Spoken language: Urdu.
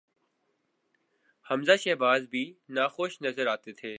حمزہ شہباز بھی ناخوش نظر آتے تھے۔